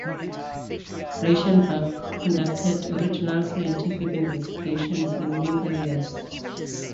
Reichenbach conducted original scientific investigations in many areas.